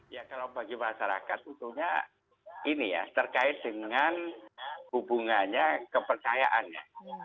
ya kalau bagi masyarakat utuhnya ini ya terkait dengan hubungannya kepercayaannya